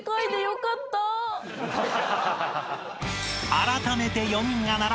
［あらためて］